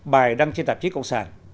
bài đăng trên tạp chí cộng sản